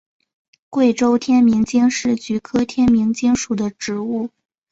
贵州天名精是菊科天名精属的植物。